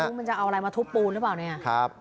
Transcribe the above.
มันจะเอาอะไรมาทุบปูนหรือเปล่าเนี่ย